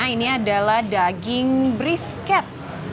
ini adalah daging brisket